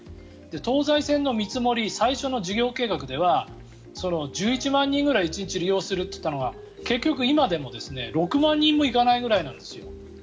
東西線の見積もり最初の事業計画では１１万人ぐらい１日利用すると言っていたのが結局、今でも６万人も行かないくらいなんですよ。